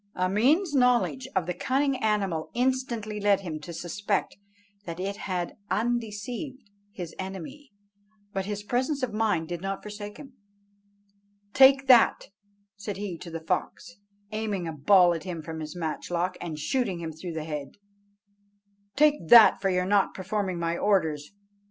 Ameen's knowledge of the cunning animal instantly led him to suspect that it had undeceived his enemy, but his presence of mind did not forsake him. "Take that," said he to the fox, aiming a ball at him from his matchlock, and shooting him through the head, "Take that for your not performing my orders.